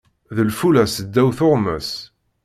D lfula seddaw tuɣmas.